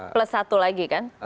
plus satu lagi kan